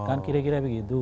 kan kira kira begitu